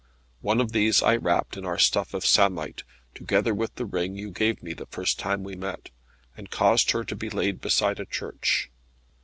One of these I wrapped in our stuff of samite, together with the ring you gave me the first time we met, and caused her to be laid beside a church.